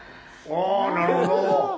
なるほど！